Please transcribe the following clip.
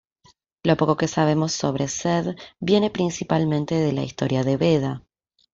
Lo poco que sabemos sobre Cedd viene principalmente de la "Historia "de Beda.